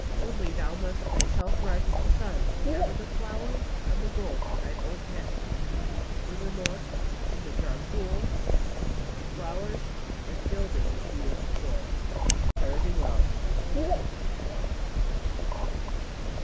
Only thou must thyself rise with the sun, and gather the flowers and the gold with thine own hands. Furthermore, when the jar cools, the flowers and gilding will be as before. Fare thee well."